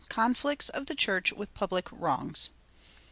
CONFLICTS OF THE CHURCH WITH PUBLIC WRONGS.